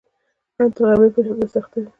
ان تر غرمې پورې همداسې اخته وي.